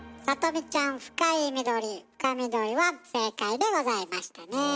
さとみちゃん深い緑深緑は正解でございましたね。